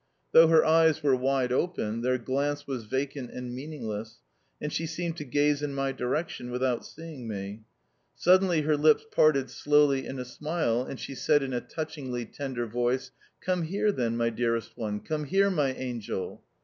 Though her eyes were wide open, their glance was vacant and meaningless, and she seemed to gaze in my direction without seeing me. Suddenly her lips parted slowly in a smile, and she said in a touchingly, tender voice: "Come here, then, my dearest one; come here, my angel."